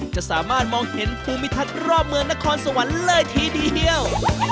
จะสามารถมองเห็นภูมิทัศน์รอบเมืองนครสวรรค์เลยทีเดียว